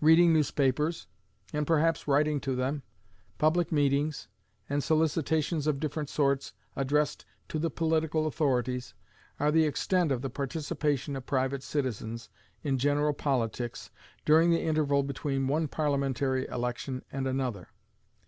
Reading newspapers, and perhaps writing to them, public meetings, and solicitations of different sorts addressed to the political authorities, are the extent of the participation of private citizens in general politics during the interval between one Parliamentary election and another.